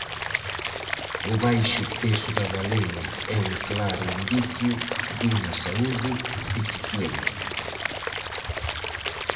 O baixo peso da balea é un claro indicio dunha saúde deficiente.